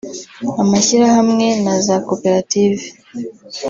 amashyirahamwe na za koperative